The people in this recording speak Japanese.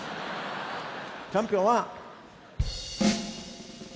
チャンピオンは。